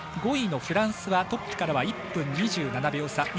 ５位のフランスはトップと１分２７秒差。